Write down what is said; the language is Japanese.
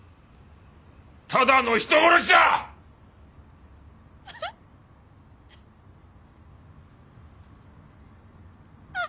ただの人殺しだ！あっ。